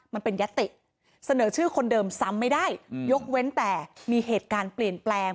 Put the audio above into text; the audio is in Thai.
มันเป็นยติเสนอชื่อคนเดิมซ้ำไม่ได้ยกเว้นแต่มีเหตุการณ์เปลี่ยนแปลง